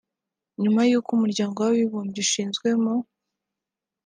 nyuma y’uko umuryango w’abibumbye ushinzwe mu